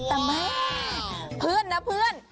แต่แม่เพื่อนนะเพื่อน